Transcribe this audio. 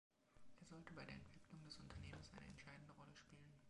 Er sollte bei der Entwicklung des Unternehmens eine entscheidende Rolle spielen.